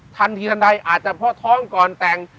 ทันทีทันใดอาจจะเพราะท้องก่อนแต่ง